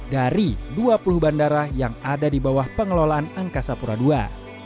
dari dua puluh bandara yang ada di bawah pengelolaan angkasa pura ii